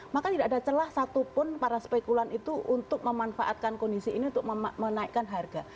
maka tidak ada celah satupun para spekulan itu untuk memanfaatkan kondisi ini untuk menaikkan harga